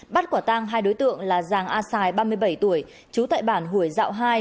bắt quả tang hai đối tượng là giàng a sài ba mươi bảy tuổi trú tại bản hủy dạo hai